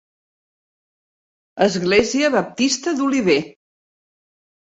Església baptista d'Olive.